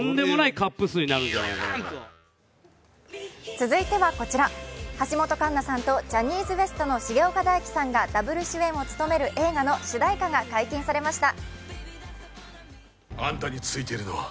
続いてはこちら、橋本環奈さんと重岡大毅さんがダブル主演を務める映画の主題歌が解禁されました。